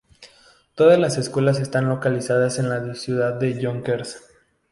Todas las escuelas están localizadas en la ciudad de Yonkers.